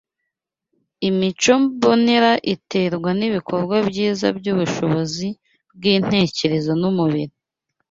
Imico mbonera iterwa n’ibikorwa byiza by’ubushobozi bw’intekerezo n’umubiri.